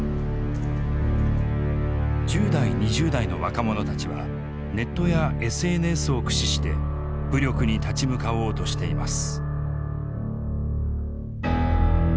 １０代２０代の若者たちはネットやＳＮＳを駆使して武力に立ち向かおうとしています。